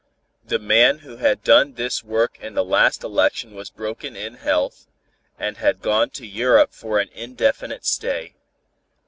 The man who had done this work in the last election was broken in health, and had gone to Europe for an indefinite stay.